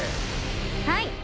はい！